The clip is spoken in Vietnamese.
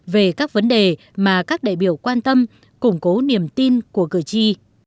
về các vấn đề mà các đại biểu quan tâm củng cố niềm tin của cử tri